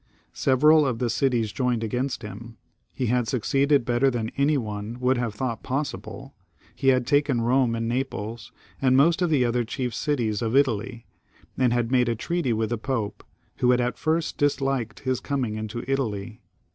Several of the cities joined against him. He had sncceeded better than any one would have thought possible ; he had taken Bome and Naples, and most of the other chief cities of Italy, and had made a treaty with the Pope, who had at first disliked his coming into Italy.